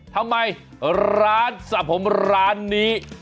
ทำไมร้านสระผมร้านนี้